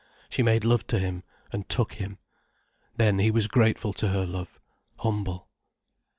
She made love to him, and took him. Then he was grateful to her love, humble.